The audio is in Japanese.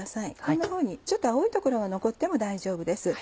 こんなふうにちょっと青い所が残っても大丈夫です。